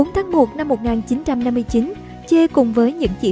tháng một năm một nghìn chín trăm năm mươi chín che cùng với những chỉ